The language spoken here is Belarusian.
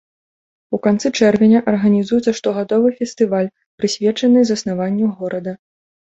У канцы чэрвеня арганізуецца штогадовы фестываль, прысвечаны заснаванню горада.